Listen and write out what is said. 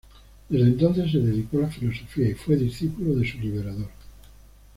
Desde entonces se dedicó a la filosofía y fue discípulo de su liberador.